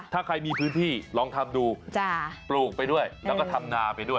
ถ้าใครมีพื้นที่ลองทำดูปลูกไปด้วยแล้วก็ทำนาไปด้วย